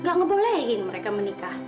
nggak ngebolehin mereka menikah